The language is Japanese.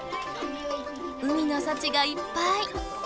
海のさちがいっぱい！